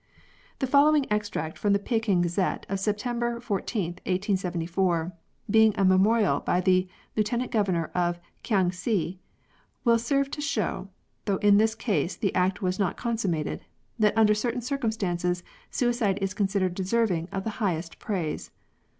The following extract from the Peking Gazette of 14th September 1874, being a memorial by the Lieu tenant Governor of Kiangsi, will serve to show — though in this case the act was not consummated — that under certain circumstances suicide is considered deserving of the highest praise.